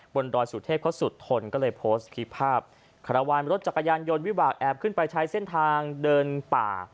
ดอยสุเทพเขาสุดทนก็เลยโพสต์คลิปภาพคาราวานรถจักรยานยนต์วิบากแอบขึ้นไปใช้เส้นทางเดินป่า